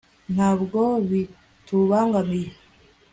ntabwo bitubangamiye